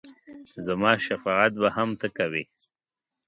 زما شفاعت به هم ته کوې !